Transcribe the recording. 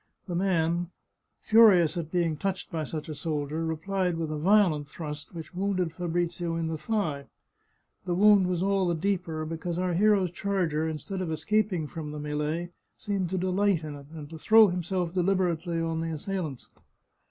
The man, furious at being touched by such a soldier, replied with a violent thrust which wounded Fabrizio in the thigh. The wound was all the deeper because our hero's charger, instead of escaping from the melee, seemed to delight in it, and to throw himself de liberately on the assailants.